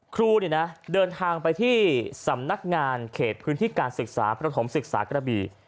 ครูเดินทางไปที่สำนักงานเขตพื้นที่การศึกษาประถมศึกษากระบี่